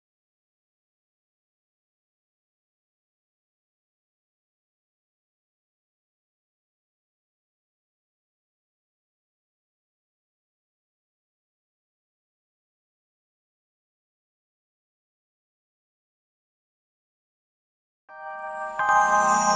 tapi anak anakku yang menerima kebahitannya